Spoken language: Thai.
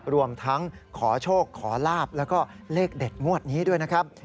รวมทั้งขอโชคขอลาบแล้วก็เลขเด็ดงวดนี้ด้วยนะครับ